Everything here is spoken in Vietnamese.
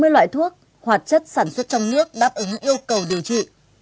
sáu trăm bốn mươi loại thuốc hoạt chất sản xuất trong nước đáp ứng yêu cầu điều trị